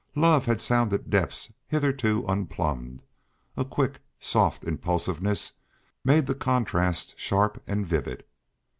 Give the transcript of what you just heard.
Love had sounded depths hitherto unplumbed; a quick, soft impulsiveness made the contrast sharp and vivid.